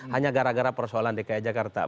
hanya gara gara persoalan dki jakarta